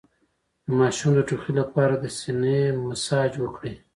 د ماشوم د ټوخي لپاره د سینه مساج وکړئ